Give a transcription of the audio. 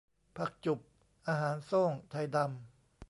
ผักจุบ อาหารโซ่ง ไทดำ